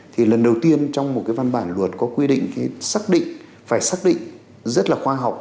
thì lần đầu tiên trong một văn bản luật có quy định phải xác định rất khoa học